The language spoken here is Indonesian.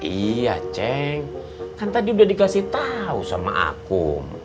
iya ceng kan tadi udah dikasih tahu sama aku